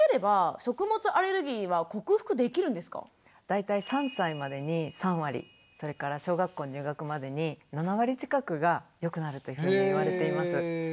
大体３歳までに３割それから小学校入学までに７割近くが良くなるというふうに言われています。